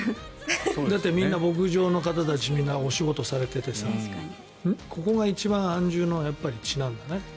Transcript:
だって、みんな牧場の方たちお仕事されててさここが一番、安住の地なんだね。